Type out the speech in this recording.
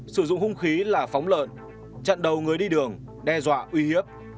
sử dụng hung khí là phóng lợn chặn đầu người đi đường đe dọa uy hiếp